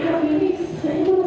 saya merasa memiliki harapan